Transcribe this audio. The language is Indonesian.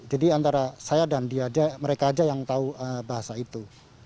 jadi antara saya dan dia mereka aja yang tahu bahasa itu